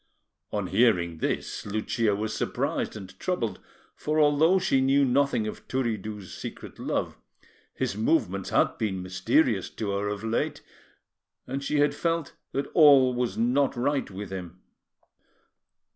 On hearing this, Lucia was surprised and troubled; for, although she knew nothing of Turiddu's secret love, his movements had been mysterious to her of late, and she had felt that all was not right with him.